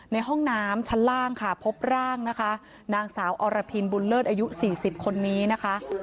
ในห้องน้ำชั้นล่างค่ะพบร่างนะคะนางสาวอรพินบุญเลิศอายุ๔๐คนนี้นะคะ